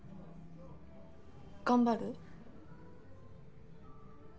頑張る？